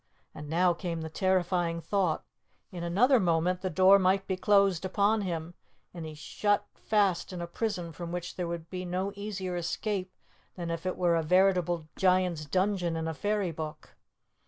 And now came the terrifying thought, in another moment the door might be closed upon him, and he shut fast in a prison from which there would be no easier escape than if it were a veritable Giant's dungeon in a fairy book.